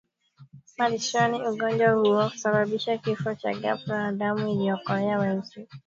malishoni Ugonjwa huo husababisha kifo cha ghafla na damu iliyokolea weusi humtoka mnyama aliyekufa